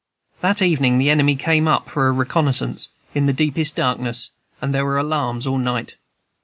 That evening the enemy came up for a reconnoissance, in the deepest darkness, and there were alarms all night.